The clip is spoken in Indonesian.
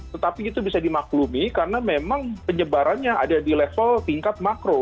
tetapi itu bisa dimaklumi karena memang penyebarannya ada di level tingkat makro